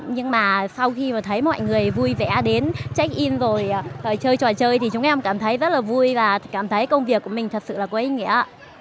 nhưng mà sau khi mà thấy mọi người vui vẻ đến check in rồi chơi trò chơi thì chúng em cảm thấy rất là vui và cảm thấy công việc của mình thật sự là có ý nghĩa ạ